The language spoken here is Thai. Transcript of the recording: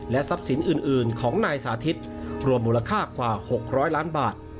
ทรัพย์สินอื่นของนายสาธิตรวมมูลค่ากว่า๖๐๐ล้านบาท